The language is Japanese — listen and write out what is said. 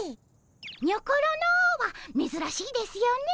にょころのはめずらしいですよね。